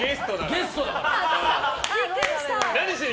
ゲストだから。